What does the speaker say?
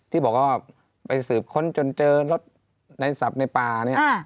ที่บอกว่าไปสืบค้นจนเจอรถในศัพท์ในป่าเนี่ย